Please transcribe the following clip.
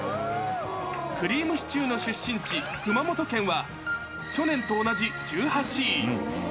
くりぃむしちゅーの出身地、熊本県は、去年と同じ１８位。